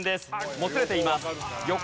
もつれています。